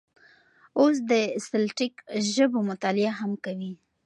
اوس د سلټیک ژبو مطالعه هم کوي.